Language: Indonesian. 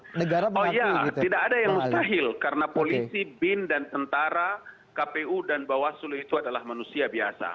oh iya tidak ada yang mustahil karena polisi bin dan tentara kpu dan bawaslu itu adalah manusia biasa